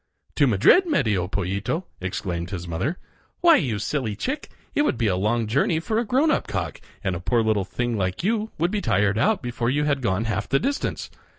"To Madrid, Medio Pollito!" exclaimed his mother. "Why, you silly chick, it would be a long Journey for a grown up cock, and a poor little thing like you would be tired out before you had gone half the distance.